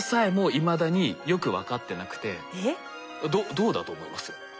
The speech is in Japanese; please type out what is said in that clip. どうだと思います？